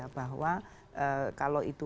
bahwa kalau itu